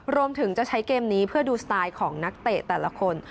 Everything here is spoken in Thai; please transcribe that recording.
รวมถึงจะใช้เกมนี้เพื่อดูสไตล์ของนักเตะแต่ละคน